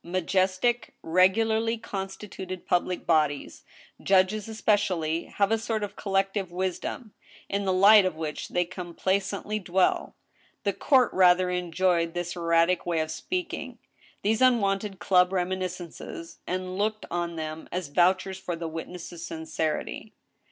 Majestic, regularly constituted public bodies, judges especially, have a sort of collective wisdom, in the light of which they complaisantly dwell. The court rather enjoyed this erratic way of speaking, these unwonted club reminiscences, and looked on them as vouchers for the witness's sincerity.